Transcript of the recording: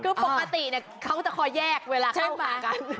เราก็จะขอแยกเวลาเข้าทางกัน